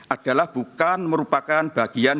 adalah bukan merupakan bagian